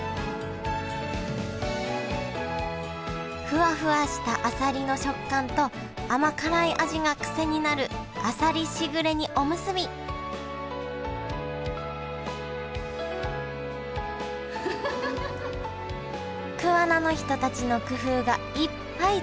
ふわふわしたあさりの食感と甘辛い味が癖になるあさりしぐれ煮おむすび桑名の人たちの工夫がいっぱい詰まったおむすびです